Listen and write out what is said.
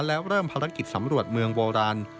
แล้วเริ่มภารกิจสำรวจเมืองโบราณ